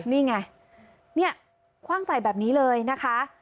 นี่ไงเนี่ยคว่างใส่แบบนี้เลยนะคะ